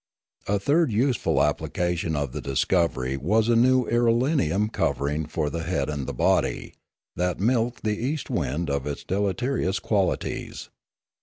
A third useful applica tion of the discovery was a new irelium covering for the head and the body, that milked the east wind of its deleterious qualities.